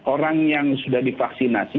orang yang sudah divaksinasi